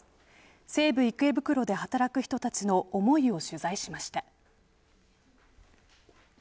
西武池袋で働く人たちの思いを取材しました。